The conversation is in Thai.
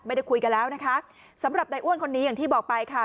ไม่ได้คุยกันแล้วนะคะสำหรับนายอ้วนคนนี้อย่างที่บอกไปค่ะ